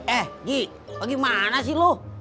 eh gi bagaimana sih lo